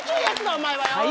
お前はよ！